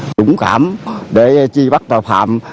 dũng cảm để chi bắt vào phạm